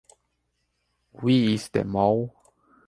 Wie is de Mol?